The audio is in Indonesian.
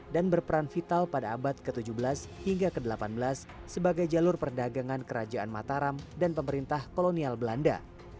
berperan vital pada abad ke tujuh belas hingga ke delapan belas sebagai jalur perdagangan kerajaan mataram dan pemerintah kolonial belanda